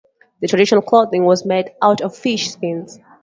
The traditional clothing was made out of fish skins.